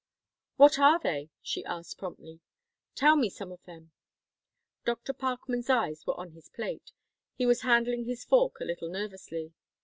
"What are they?" she asked, promptly. "Tell me some of them." Dr. Parkman's eyes were on his plate. He was handling his fork a little nervously.